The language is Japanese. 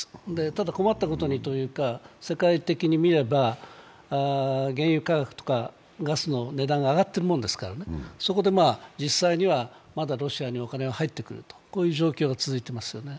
ただ、困ったことにというか世界的に見れば原油価格とかガスの値段が上がってるもんですからそこで実際にはまだロシアにお金が入ってくるという状況が続いていますよね。